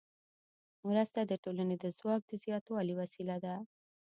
مرسته د ټولنې د ځواک د زیاتوالي وسیله ده.